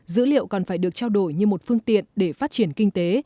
dữ liệu còn phải được trao đổi như một phương tiện để phát triển kinh tế